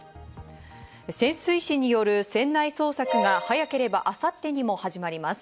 潜水士による船内捜索が早ければ明後日にも始まります。